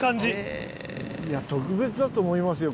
いや特別だと思いますよ